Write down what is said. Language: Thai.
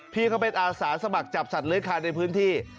พี่เขาเป็นอาสาสมัครจับสัตว์เลื้อยคานในพื้นที่